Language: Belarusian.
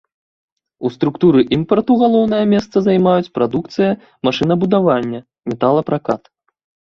У структуры імпарту галоўнае месца займаюць прадукцыя машынабудавання, металапракат.